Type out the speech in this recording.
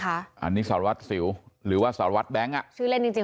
คะอันนี้สารวัสดิ์สิวหรือว่าสารวัสดิ์แบงค์ชื่อเล่นจริง